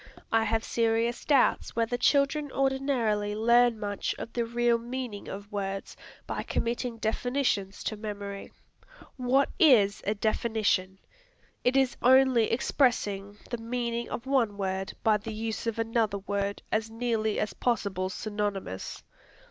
I have serious doubts whether children ordinarily learn much of the real meaning of words by committing definitions to memory. What is a definition? It is only expressing the meaning of one word by the use of another word as nearly as possible synonymous.